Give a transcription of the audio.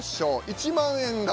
１万円が。